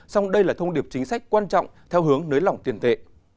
song đây là thông điệp chính sách quan trọng theo hướng nới lỏng tiền tệ